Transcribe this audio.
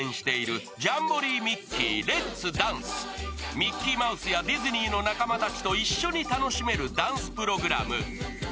ミッキーマウスやディズニーの仲間たちと一緒に楽しめるダンスプログラム。